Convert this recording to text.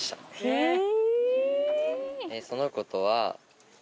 へぇ！